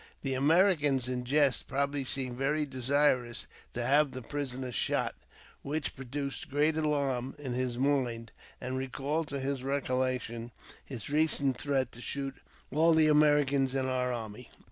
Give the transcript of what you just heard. The Americans, in jest probably, seemed verj^ desirous to have the prisoner shot, which produced great alarm in his mind, and recalled to his recollection his recent threat to shoot all the Americans in our army.